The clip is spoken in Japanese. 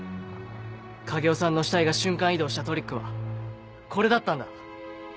影尾さんの死体が瞬間移動したトリックはこれだったんだ。